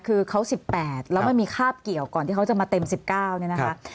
คือเขา๑๘แล้วมันมีคราบเกี่ยวก่อนที่เขาจะมาเต็ม๑๙เนี่ยนะคะ